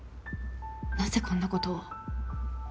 なぜこんなことを？